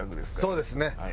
そうですね。